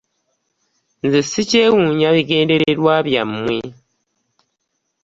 Nze sikyewuunya bigendererwa byammwe.